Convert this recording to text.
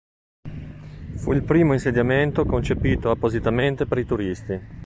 Fu il primo insediamento concepito appositamente per i turisti.